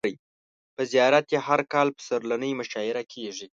په زیارت یې هر کال پسرلنۍ مشاعر کیږي.